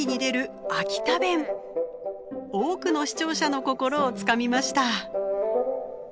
多くの視聴者の心をつかみました。